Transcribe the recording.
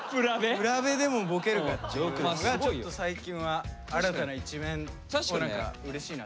プラベでもボケるからちょっと最近は新たな一面も何かうれしいな。